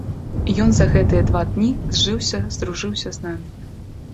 Ён за гэтыя два дні зжыўся, здружыўся з намі.